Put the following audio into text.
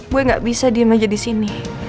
gue gak bisa diem aja di sini